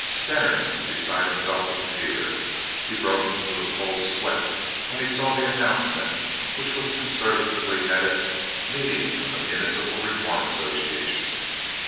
Stener was beside himself with fear. He broke into a cold sweat when he saw the announcement which was conservatively headed, "Meeting of the Municipal Reform Association."